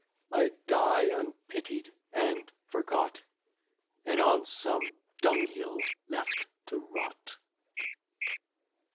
I die unpitied and forgot, And on some dunghill left to rot.